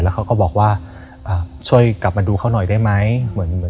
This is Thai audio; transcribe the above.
เขาก็บอกว่าช่วยกลับมาดูเขาหน่อยได้ไหม